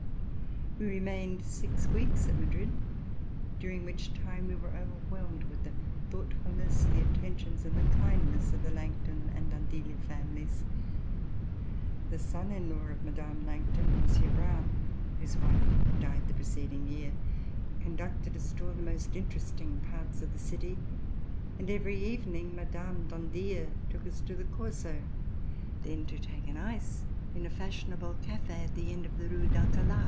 We remained six weeks at Madrid, during which time we were overwhelmed with the thoughtfulness, the attentions and the kindness of the Langton and Andilla families. The son in law of Mme. Langton, Monsieur Broun, whose wife had died the preceding year, conducted us to all the most interesting parts of the city, and every evening Mme. d'Andilla took us to the Corso, then to take an ice in a fashionable DEPARTURE FOR EUROPE cafe at the end of the Rue d'Alcala.